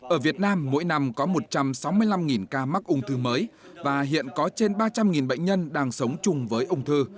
ở việt nam mỗi năm có một trăm sáu mươi năm ca mắc ung thư mới và hiện có trên ba trăm linh bệnh nhân đang sống chung với ung thư